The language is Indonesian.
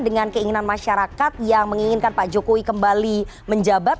dengan keinginan masyarakat yang menginginkan pak jokowi kembali menjabat